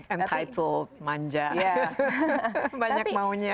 entitled manja banyak maunya